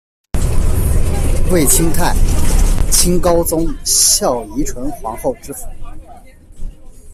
魏清泰，清高宗孝仪纯皇后之父。